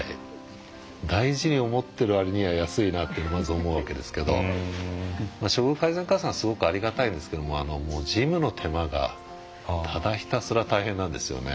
大事に思ってるわりには安いなっていうのをまず思うわけですけど処遇改善加算はすごくありがたいですけど事務の手間がただひたすら大変なんですよね。